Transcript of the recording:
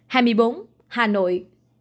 hai mươi bốn hà nội